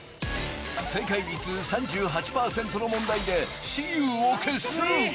正解率３８％の問題で雌雄を決する！